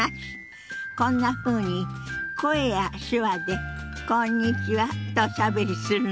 こんなふうに声や手話で「こんにちは」とおしゃべりするの。